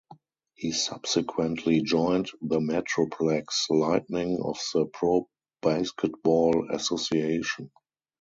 He subsequently joined the Metroplex Lightning of the Pro Basketball Association.